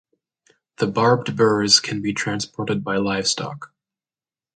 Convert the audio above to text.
The barbed burrs can be transported by livestock.